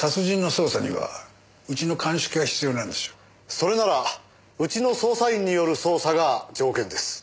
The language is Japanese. それならうちの捜査員による捜査が条件です。